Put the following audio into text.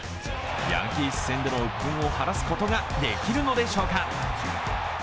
ヤンキース戦でのうっぷんを晴らすことができるのでしょうか。